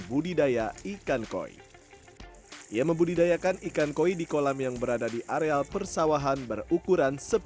budidaya ikan koi ia membudidayakan ikan koi di kolam yang berada di areal persawahan berukuran